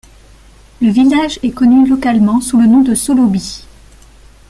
Le village est connu localement sous le nom de Soloby.